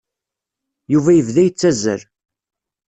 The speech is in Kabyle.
Yuba yebda yettazzal.